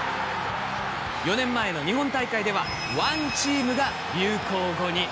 ４年前の日本大会では「ＯＮＥＴＥＡＭ」が流行語に。